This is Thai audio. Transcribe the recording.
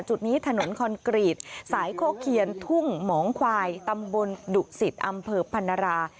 จุดนี้ถนนคอนกรีตสายโคเคียนทุ่งหมองควายตำบลดุสิตอำเภอพันรา